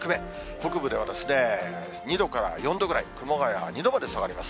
北部では、２度から４度くらい、熊谷２度まで下がります。